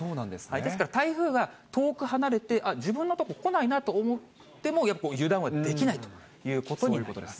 ですから、台風が遠く離れて、あっ、自分のとこ来ないなと思っても、油断はできないということになります。